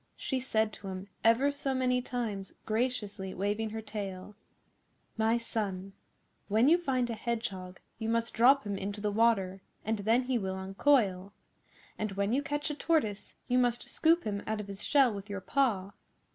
She said to him ever so many times, graciously waving her tail, 'My son, when you find a Hedgehog you must drop him into the water and then he will uncoil, and when you catch a Tortoise you must scoop him out of his shell with your paw.